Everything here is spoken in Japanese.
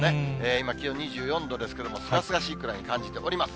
今、気温２４度ですけれども、すがすがしいくらいに感じております。